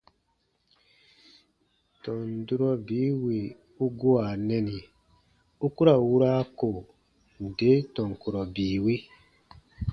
Tɔn durɔ bii wì u gua nɛni u ku ra wura ko nde tɔn kurɔ bii wi.